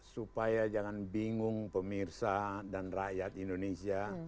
supaya jangan bingung pemirsa dan rakyat indonesia